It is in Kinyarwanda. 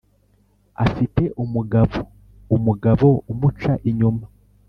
Afite umugabo umugabo umuca inyuma